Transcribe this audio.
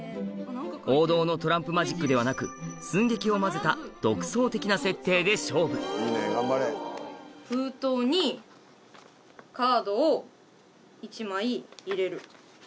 王道のトランプマジックではなく寸劇を交ぜた独創的な設定で勝負「封筒にカードを１枚入れる」。